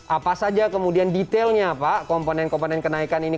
apa saja kemudian detailnya pak komponen komponen kenaikan ini